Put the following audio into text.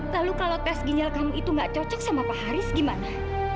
lalu kalau tes ginjal kamu itu gak cocok sama pak haris gimana